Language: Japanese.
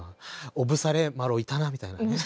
おぶされ麻呂いたなみたいなね。